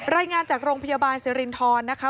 รายงานจากโรงพยาบาลสิรินทรนะคะ